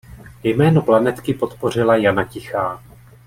Jméno planetky podpořila Jana Tichá.